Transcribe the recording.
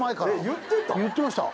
言ってました。